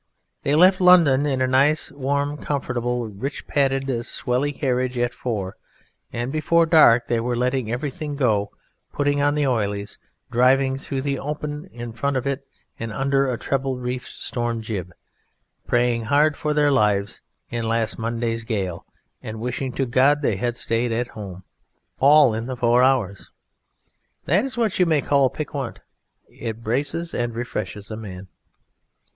They left London in a nice warm, comfortable, rich padded, swelly carriage at four, and before dark they were letting everything go, putting on the oilies, driving through the open in front of it under a treble reefed storm jib, praying hard for their lives in last Monday's gale, and wishing to God they had stayed at home all in the four hours. That is what you may call piquant, it braces and refreshes a man.